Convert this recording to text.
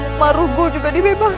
hukuman aku dikendali